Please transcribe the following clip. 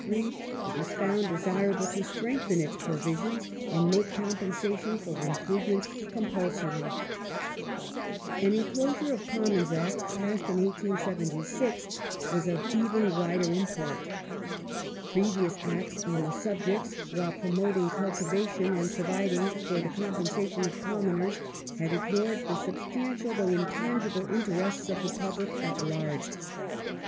c. 38. 440 THE NEW TORYISM [1874 desirable to strengthen its provisions and make compensation for improvements compulsory. / An Enclosure of Commons Act ^ passed in 1876 was of even wider import. Previous Acts on the subjects while promoting cultivation and providing for the compensation of "commoners" had ignored the substantial though intangible interests of the public at large.